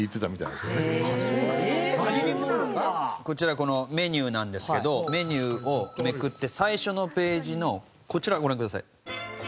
こちらこのメニューなんですけどメニューをめくって最初のページのこちらご覧ください。